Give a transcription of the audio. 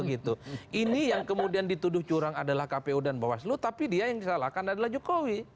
ini yang kemudian dituduh curang adalah kpu dan bawaslu tapi dia yang disalahkan adalah jokowi